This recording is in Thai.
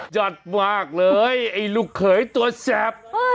จัดมากเลยลูกเขยตัวแสบ